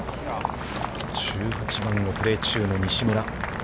１８番をプレー中の西村。